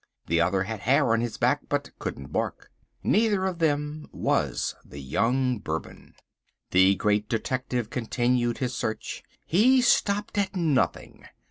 The other had hair on his back but couldn't bark. Neither of them was the young Bourbon. The Great Detective continued his search. He stopped at nothing.